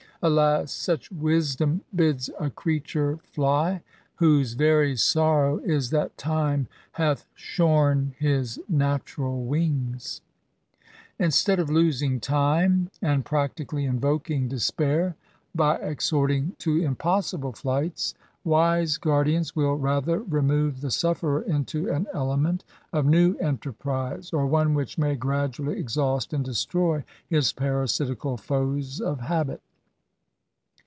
Alas ! such wisdom bids a creature fly, Whose very sorrow is that Time hath shorn His natural wings !" Instead of losing time, and practically invoking GAINS AND PRIVILEGES. 219 despair^ by exhorting to. impossible flights, wise guardians will rather remove the sufferer into an element of new enterprise, or one which may gradually exhaust and destroy his parasitical foes of habit.